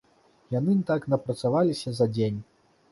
Яны так напрацаваліся за дзень.